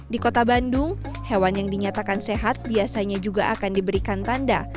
di kota bandung hewan yang dinyatakan sehat biasanya juga akan diberikan tanda